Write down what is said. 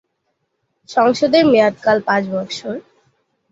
সংসদের মেয়াদকাল পাঁচ বছর।